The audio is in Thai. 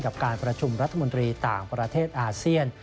กับการประชุมรัฐมนตรีต่างประเทศอาเซียน